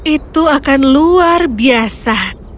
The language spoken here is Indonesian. itu akan luar biasa